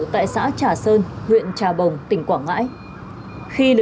tại xã trà sơn huyện trà bồng tỉnh quảng ngãi